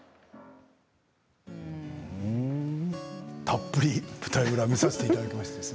たっぷり舞台裏見させていただきました。